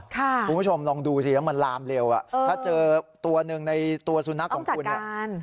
คุณผู้ชมลองดูสิว่ามันลามเร็วถ้าเจอตัวหนึ่งในสุนัขของคุณ